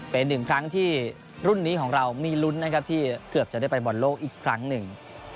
เป็นหนึ่งครั้งที่รุ่นนี้ของเรามีลุ้นนะครับที่เกือบจะได้ไปบอลโลกอีกครั้งหนึ่ง